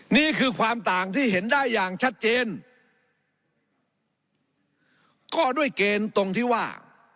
นี่คือความต่างที่เห็นได้อย่างชัดเจนก็ด้วยเกณฑ์ตรงที่ว่า